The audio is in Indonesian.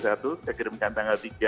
saya kirimkan tanggal tiga